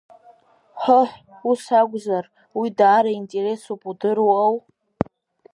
Ҳоҳ, ус акәзар, уи даара интересуп удыруоу!